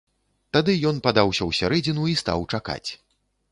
Тады ён падаўся ў сярэдзіну і стаў чакаць.